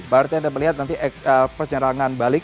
berarti anda melihat nanti penyerangan balik